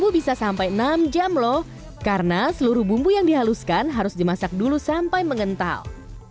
bisa sampai enam jam lho karena seluruh bumbu yang dihaluskan harus dimasak dulu sampai mengental